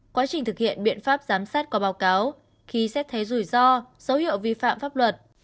quá trình thực hiện biện pháp giám sát qua báo cáo khi xét thấy rủi ro số hiệu vi phạm pháp luật